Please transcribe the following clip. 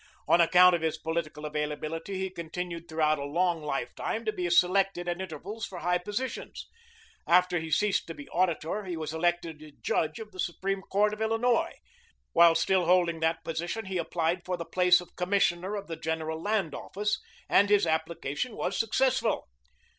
On account of his political availability he continued throughout a long lifetime to be selected at intervals for high positions. After he ceased to be Auditor he was elected a judge of the Supreme Court of Illinois; while still holding that position he applied for the place of Commissioner of the General Land Office, and his application was successful.